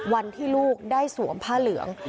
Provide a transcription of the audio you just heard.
วันที่ลูกได้สวมผ้าเหลือง